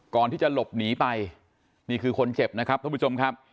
ก่อนที่จะหลบหนีไปนี่คือคนเจ็บนะครับท่านผู้ชมครับ